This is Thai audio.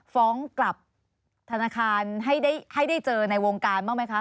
ฟ้องกลับธนาคารให้ได้เจอในวงการบ้างไหมคะ